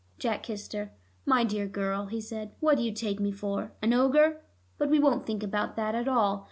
Jack kissed her. "My dear girl," he said, "what do you take me for? An ogre? But we won't think about that at all.